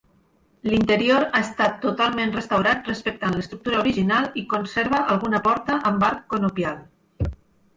L’interior ha estat totalment restaurat respectant l’estructura original i conserva alguna porta amb arc conopial.